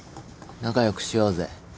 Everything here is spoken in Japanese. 仲良くしようぜ。